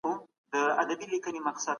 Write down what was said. او پر خپله تنه وچ سې